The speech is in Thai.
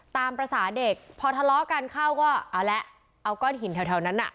ตามภาษาเด็กพอทะเลาะกันเข้าก็เอาแล้วเอาก้อนหินแถวนั้นน่ะ